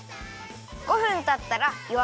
５分たったらよ